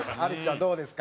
どうですか？